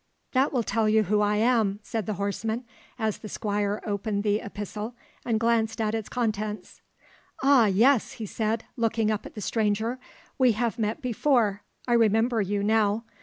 "That will tell you who I am," said the horseman, as the Squire opened the epistle and glanced at its contents. "Ah, yes!" he said, looking up at the stranger, "we have met before. I remember you now.